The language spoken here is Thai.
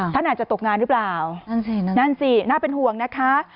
ท่านอาจจะตกงานรึเปล่านั่นสิน่าเป็นห่วงนะคะ